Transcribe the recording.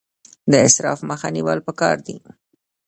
د اسراف مخه نیول پکار دي